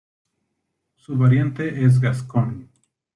Su variante es "Gascón".